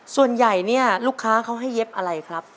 ส่วนใหญ่เนี่ยลูกค้าเขาให้เย็บอะไรครับ